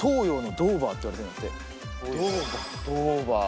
ドーバー。